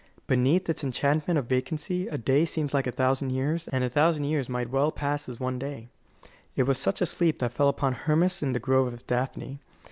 Beneath its enchantment of vacancy, a day seems like a thousand years, and a thousand years might well pass as one day. It was such a sleep that fell upon Hermas in the Grove of Daphne.